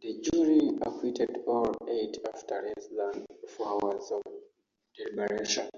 The jury acquitted all eight after less than four hours of deliberation.